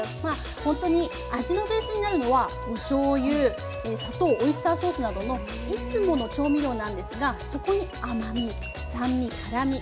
ほんとに味のベースになるのはおしょうゆ砂糖オイスターソースなどのいつもの調味料なんですがそこに甘み酸味辛み